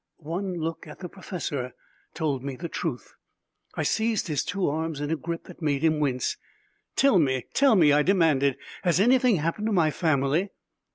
One look at the professor told me the truth. I seized his two arms in a grip that made him wince. "Tell me! Tell me!" I demanded, "Has anything happened to my family?"